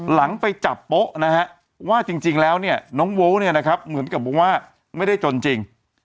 หลังไปจับโป๊ะว่าจริงแล้วน้องโว้วเหมือนกับว่าไม่ได้จนจริง